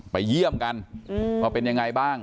ไปเยี่ยมกันว่าเป็นยังไงบ้าง